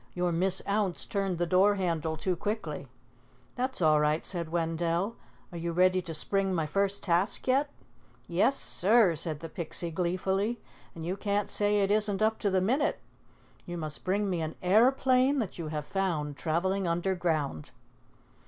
Your Miss Ounce turned the door handle too quickly." "That's all right," said Wendell. "Are you ready to spring my first task yet?" "Yes, sir," said the Pixie gleefully. "And you can't say it isn't up to the minute. You must bring me an aeroplane that you have found traveling underground."